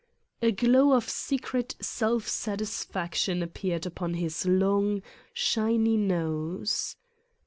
A glow of secret self satisfaction appeared upon his long, shiny nose.